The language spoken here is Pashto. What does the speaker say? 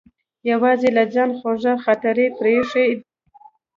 یوازې له ځانه خوږې خاطرې پرې ایښې.